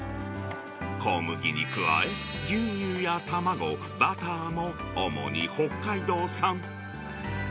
小麦に加え、牛乳や卵、バターも主に北海道産。